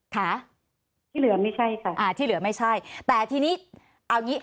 ค่ะที่เหลือไม่ใช่ค่ะอ่าที่เหลือไม่ใช่แต่ทีนี้เอางี้